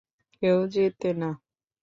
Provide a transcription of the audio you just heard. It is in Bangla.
কেউ জেতে না!